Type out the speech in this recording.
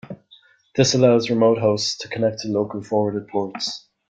This allows remote hosts to connect to local forwarded ports.